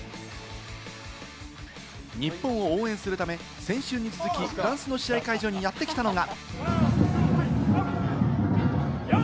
日本を応援するため、先週に続き、フランスの試合会場にやってきたのが。